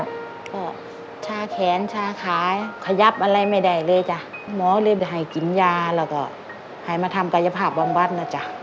ก็ชาแขนชาขาขยับอะไรไม่ได้เลยจ้ะหมอเลยให้กินยาแล้วก็ให้มาทำกายภาพบางวัดนะจ๊ะ